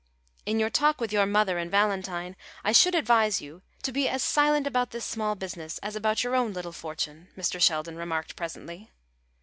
"In your talk with your mother and Valentine, I should advise you to be as silent about this small business as about your own little fortune," Mr. Sheldon remarked presently.